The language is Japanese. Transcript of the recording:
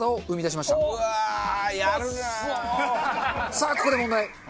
さあここで問題。